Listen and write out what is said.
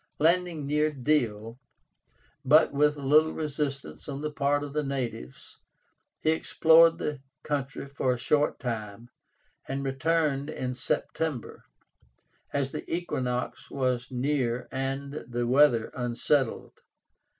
Landing near Deal, with but little resistance on the part of the natives, he explored the country for a short time, and returned in September, as the equinox was near and the weather unsettled.